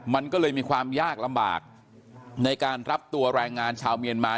มันก็เลยมีความยากลำบากในการรับตัวแรงงานชาวเมียนมา